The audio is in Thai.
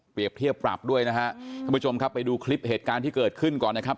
เทียบปรับด้วยนะฮะท่านผู้ชมครับไปดูคลิปเหตุการณ์ที่เกิดขึ้นก่อนนะครับ